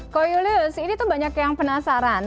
ko yulius ini tuh banyak yang penasaran